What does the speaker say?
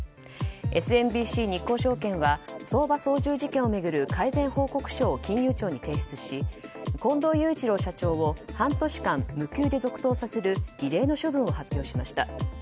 ＳＭＢＣ日興証券は相場操縦事件を巡る改善報告書を金融庁に提出し近藤雄一郎社長を半年間、無給で続投させる異例の処分を発表しました。